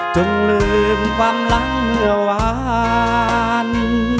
จนลืมความหลังเมื่อวาน